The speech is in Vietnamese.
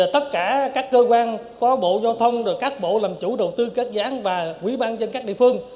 tất cả các cơ quan có bộ giao thông các bộ làm chủ đầu tư các dự án và quý ban dân các địa phương